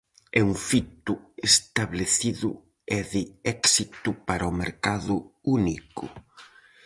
É un fito establecido e de éxito para o mercado único.